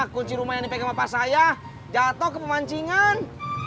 kunci rumah yang dipegang bapak saya jatuh ke pemancingan